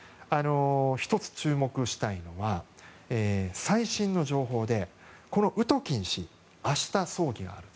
１つ注目したいのは最新の情報でこのウトキン氏は明日、葬儀を行う。